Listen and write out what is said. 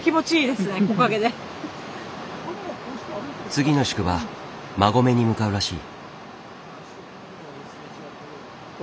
次の宿場馬籠に向かうらしい。